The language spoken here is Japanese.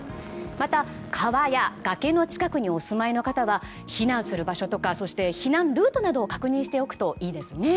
また、川や崖の近くにお住まいの方は避難する場所とか避難ルートなどを確認しておくといいですね。